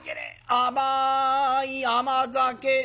甘い甘酒！」。